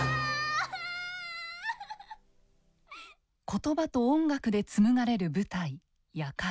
言葉と音楽で紡がれる舞台「夜会」。